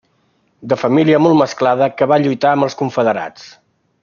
De família molt mesclada que va lluitar amb els Confederats.